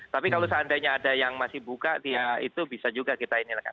tapi kalau seandainya ada yang masih buka ya itu bisa juga kita ini